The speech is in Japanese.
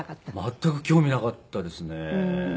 全く興味なかったですね。